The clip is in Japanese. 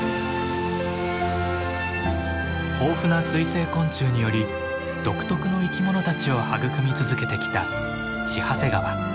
豊富な水生昆虫により独特の生き物たちを育み続けてきた千走川。